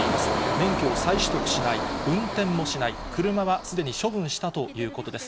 免許を再取得しない、運転もしない、車はすでに処分したということです。